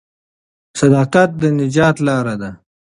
صداقت د نجات لار ده.